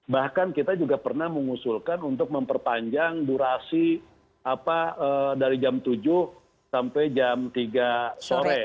bahkan kita juga pernah mengusulkan untuk memperpanjang durasi dari jam tujuh sampai jam tiga sore